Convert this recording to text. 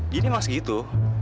jadi emang segitu